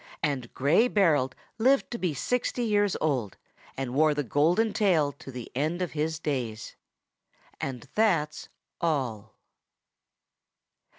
And Gray Berold lived to be sixty years old, and wore the golden tail to the end of his days. And that's all.